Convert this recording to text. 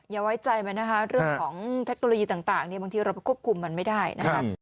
อย่าไว้ใจมันนะคะเรื่องของเทคโนโลยีต่างบางทีเราไปควบคุมมันไม่ได้นะคะ